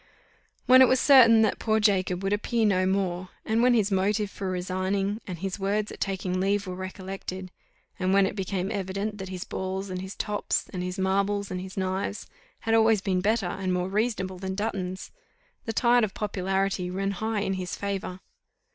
When it was certain that poor Jacob would appear no more and when his motive for resigning, and his words at taking leave were recollected and when it became evident that his balls, and his tops, and his marbles, and his knives, had always been better and more reasonable than Dutton's, the tide of popularity ran high in his favour.